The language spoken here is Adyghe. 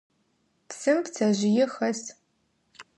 Псым пцэжъые хэс.